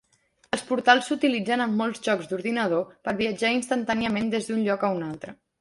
Els portals s'utilitzen en molts jocs d'ordinador per viatjar instantàniament des d'un lloc a un altre.